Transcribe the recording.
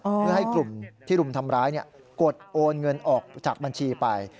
เพื่อให้กลุ่มที่รุมทำร้ายกดโอนเงินออกจากบัญชีไป